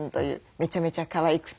めちゃめちゃかわいくて。